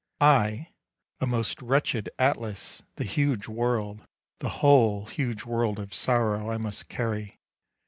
I, a most wretched Atlas, the huge world, The whole huge world of sorrow I must carry.